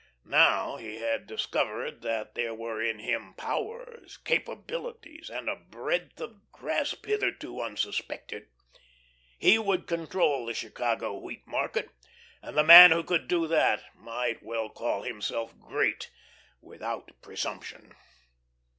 Now he had discovered that there were in him powers, capabilities, and a breadth of grasp hitherto unsuspected. He could control the Chicago wheat market, and the man who could do that might well call himself "great," without presumption.